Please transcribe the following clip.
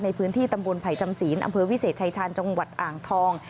ในพื้นที่ตำบลไผ่จำศีลอำเภอวิเศษชายชาญจังหวัดอ่างทอง